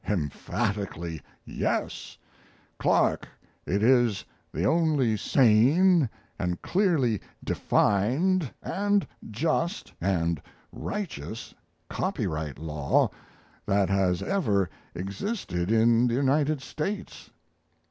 Emphatically yes! Clark, it is the only sane & clearly defined & just & righteous copyright law that has ever existed in the United States.